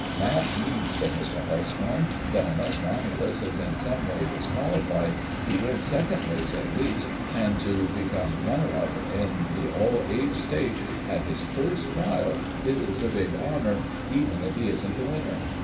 "That means," said Mr. Hartshorn, "that unless Romulus is in some way disqualified, he wins second place at least, and to become runner up in the All Age stake at his first trial is a big honor, even if he isn't the winner.